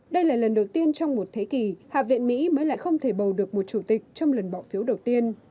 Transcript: đây là lần đầu tiên trong một thế kỷ hạ viện mỹ mới lại không thể bầu được một chủ tịch trong lần bỏ phiếu đầu tiên